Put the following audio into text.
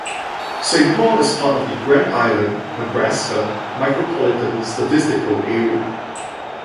Saint Paul is part of the Grand Island, Nebraska Micropolitan Statistical Area.